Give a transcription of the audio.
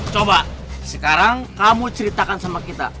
coba sekarang kamu ceritakan sama kita